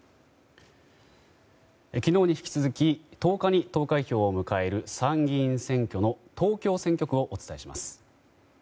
昨日に引き続き１０日に投開票を迎える参議院選挙の東京選挙区をお伝えします。